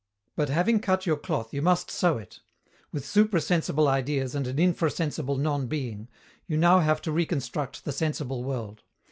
But, having cut your cloth, you must sew it. With supra sensible Ideas and an infra sensible non being, you now have to reconstruct the sensible world.